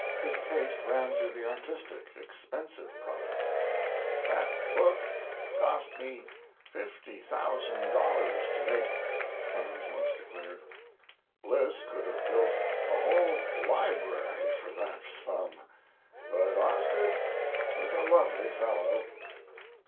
His taste ran to the artistic, expensive product. "That book cost me fifty thousand dollars to make," Clemens once declared. "Bliss could have built a whole library, for that sum. But Osgood was a lovely fellow."